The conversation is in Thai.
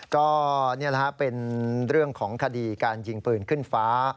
ก็เป็นเรื่องของคดีการยิงปืนขึ้นฟ้า